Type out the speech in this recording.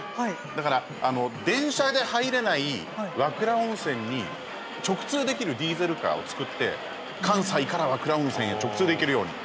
だから、電車で入れない和倉温泉に直通できるディーゼルカーを作って関西から和倉温泉へ直通で行けるように。